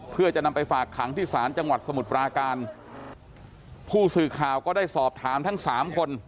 เพื่อจะนำไปฝากขังที่ศาลจังหวัดสมุทรปราการผู้สื่อข่าวก็ได้สอบถามทั้งสามคน